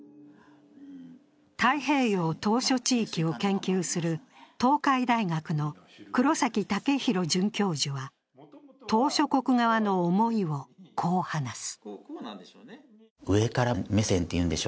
太平洋島しょ地域を研究する東海大学の黒崎岳大准教授は島しょ国側の思いをこう話す。